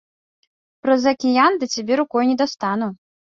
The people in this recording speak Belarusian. Праз акіян да цябе рукой не дастану.